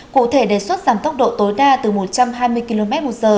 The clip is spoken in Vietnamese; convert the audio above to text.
cụ thể đề xuất giảm tốc độ tối đa từ một trăm hai mươi kmh